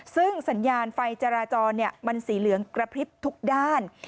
ซึ่งสัญญาณไฟจราจรมันสีเหลืองกระพริบทุกด้าน